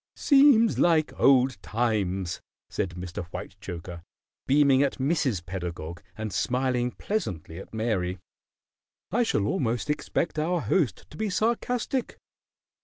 "Seems like old times," said Mr. Whitechoker, beaming at Mrs. Pedagog and smiling pleasantly at Mary. "I shall almost expect our host to be sarcastic."